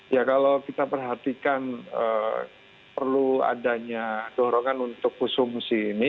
ya kalau kita perhatikan perlu adanya dorongan untuk konsumsi ini